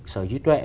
sở hữu trí tuệ